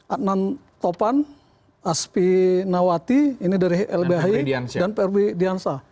adnan topan aspi nawati ini dari lbhi dan prb diansah